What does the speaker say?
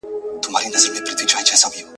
دوه شعرونه لیدلي دي `